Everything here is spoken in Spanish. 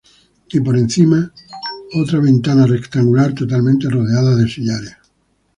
Y por encima otra ventana rectangular totalmente rodeada de sillares.